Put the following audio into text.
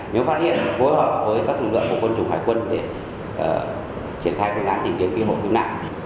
nếu phát hiện phối hợp với các lực lượng của quân chủng hải quân để triển khai phương án tìm kiếm cứu hộ cứu nạn